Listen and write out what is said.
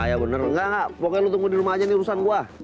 ya bener enggak enggak pokoknya lo tunggu di rumah aja nih urusan gua